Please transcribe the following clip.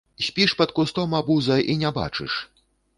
Спіш пад кустом, абуза, і не бачыш!